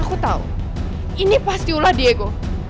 aku tahu ini pasti ulah diego